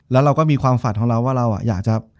แล้วเราก็มีความฝันของเราว่าเราอยากจะ